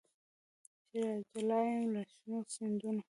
چي راجلا یم له شنو سیندونو